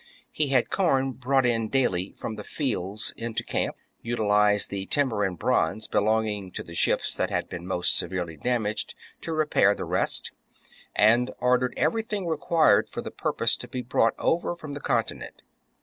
He had corn brought in daily from the fields into camp ; utilized the timber and bronze belonging to the ships that had been most severely damaged to repair the rest ; and ordered everything required for the purpose to be brought over from the continent.